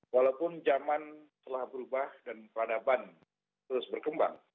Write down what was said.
walaupun zaman telah berubah dan peradaban terus berkembang